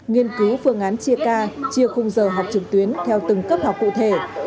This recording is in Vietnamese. nghiên cứu phương án chia ca chia khung giờ học trực tuyến theo từng cấp học cụ thể